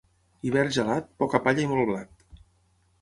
Hivern gelat, poca palla i molt blat.